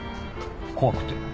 怖くて？